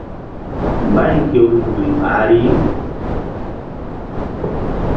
Mbay hew nzukri ɓahri.